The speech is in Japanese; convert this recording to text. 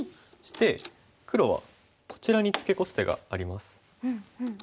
そして黒はこちらにツケコす手があります。